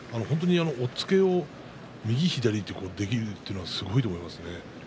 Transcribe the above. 押っつけを右、左にできるのはすごいと思いますね。